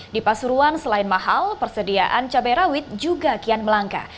di pasuruan selain mahal persediaan cabai rawit juga kian melangkah